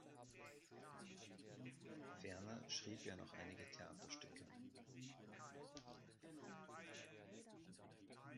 Ferner schrieb er noch einige Theaterstücke.